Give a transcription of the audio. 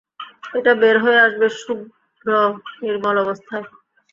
এটা বের হয়ে আসবে শুভ্র নির্মল অবস্থায়।